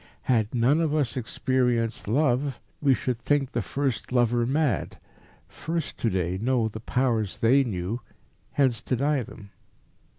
Had none of us experienced love, we should think the first lover mad. Few to day know the Powers they knew, hence deny them.